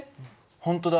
本当だ。